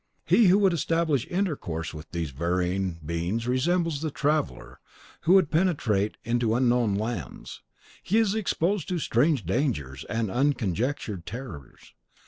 "He who would establish intercourse with these varying beings resembles the traveller who would penetrate into unknown lands. He is exposed to strange dangers and unconjectured terrors.